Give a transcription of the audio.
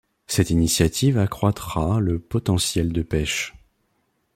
Cette initiative accroitra le potentiel de pêche.